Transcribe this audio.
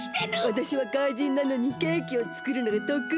わたしは怪人なのにケーキをつくるのがとくい！